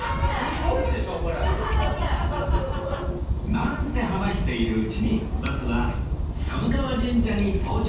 なんて話しているうちにバスは寒川神社に到着です